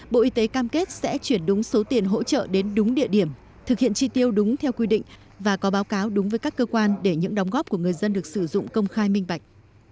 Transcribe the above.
bộ y tế cam kết sẽ chuyển đúng số tiền hỗ trợ đến đúng địa điểm thực hiện tri tiêu đúng theo quy định và có báo cáo đúng với các cơ quan để những đóng góp của người dân được sử dụng công khai minh bạch